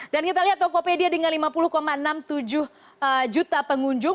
dan kita lihat tokopedia dengan lima puluh enam puluh tujuh juta pengunjung